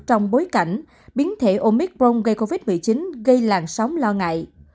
trong bối cảnh biến thể omicron gây covid một mươi chín gây làn sóng lo ngại